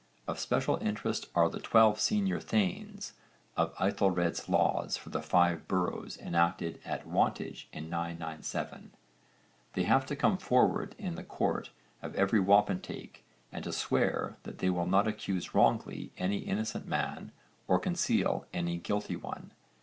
Of special interest are the '12 senior thanes' of Aethelred's laws for the Five Boroughs enacted at Wantage in 997. They have to come forward in the court of every wapentake and to swear that they will not accuse wrongly any innocent man or conceal any guilty one.